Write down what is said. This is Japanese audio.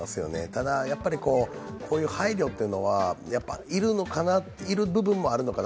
ただ、こういう配慮というのは要る部分もあるのかな。